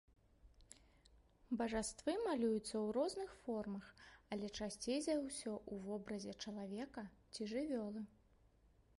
Божаствы малююцца ў розных формах, але часцей за ўсё ў вобразе чалавека ці жывёлы.